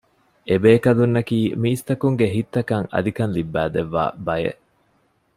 އެ ބޭކަލުންނަކީ މީސްތަކުންގެ ހިތްތަކަށް އަލިކަން ލިއްބައިދެއްވާ ބަޔެއް